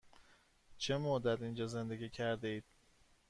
چه مدت اینجا زندگی کرده اید؟